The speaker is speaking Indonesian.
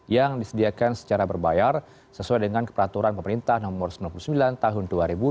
yang disediakan secara berbayar sesuai dengan peraturan pemerintah nomor sembilan puluh sembilan tahun dua ribu dua puluh